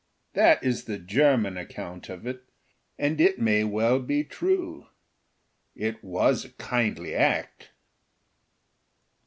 That is the German account of it, and it may well be true. It was a kindly act.